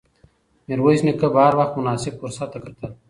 میرویس نیکه به هر وخت مناسب فرصت ته کتل.